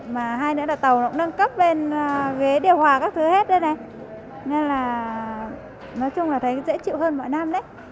mà hai nữa là tàu nó cũng nâng cấp lên ghế điều hòa các thứ hết đây này nên là nói chung là thấy dễ chịu hơn mỗi năm đấy